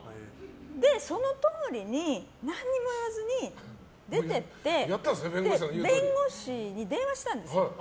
そのとおりに何も言わずに出てって弁護士に電話したんですよ。